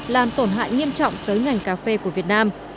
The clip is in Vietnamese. làm tổn hại nghiêm trọng tới ngành cà phê của việt nam